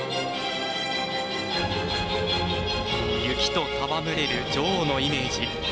雪と戯れる女王のイメージ。